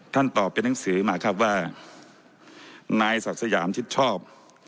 ตอบเป็นหนังสือมาครับว่านายศักดิ์สยามชิดชอบ